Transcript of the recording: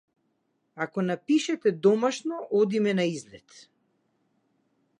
Ако напишете домашно одиме на излет.